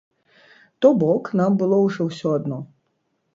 То бок нам было ўжо ўсё адно.